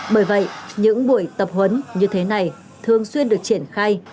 bởi vậy những buổi tập huấn như thế này thường xuyên được triển khai